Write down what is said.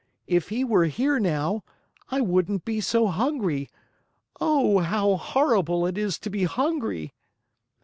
If he were here now, I wouldn't be so hungry! Oh, how horrible it is to be hungry!"